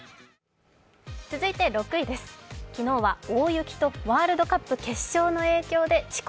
続いて６位です、昨日は大雪とワールドカップ決勝の影響で遅刻